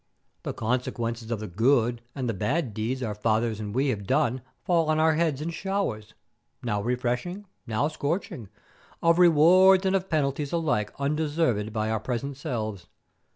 The consequences of the good and the bad deeds our fathers and we have done fall on our heads in showers, now refreshing, now scorching, of rewards and of penalties alike undeserved by our present selves.